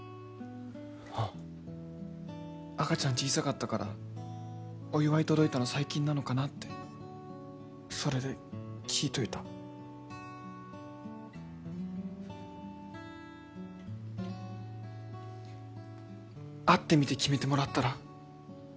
ああ赤ちゃん小さかったからお祝い届いたの最近なのかなってそれで聞いといた会ってみて決めてもらったら？